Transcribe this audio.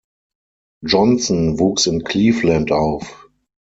Johnson wuchs in Cleveland auf.